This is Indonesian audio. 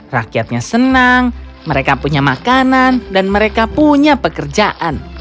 rakyatnya senang mereka punya makanan dan mereka punya pekerjaan